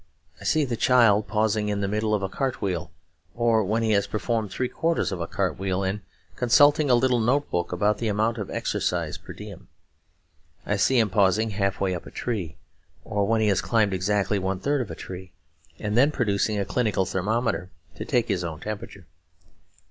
I see the child pausing in the middle of a cart wheel, or when he has performed three quarters of a cart wheel, and consulting a little note book about the amount of exercise per diem. I see him pausing half way up a tree, or when he has climbed exactly one third of a tree; and then producing a clinical thermometer to take his own temperature.